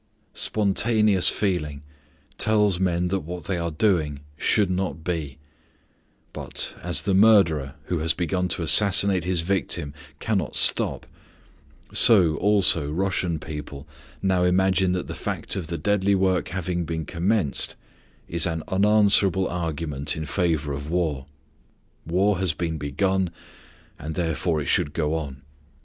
Spontaneous feeling tells men that what they are doing should not be; but, as the murderer who has begun to assassinate his victim cannot stop, so also Russian people now imagine that the fact of the deadly work having been commenced is an unanswerable argument in favor of war. War has been begun, and therefore it should go on.